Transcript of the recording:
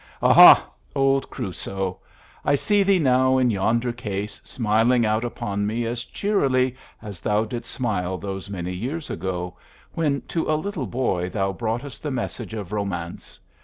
Aha, old Crusoe! I see thee now in yonder case smiling out upon me as cheerily as thou didst smile those many years ago when to a little boy thou broughtest the message of Romance!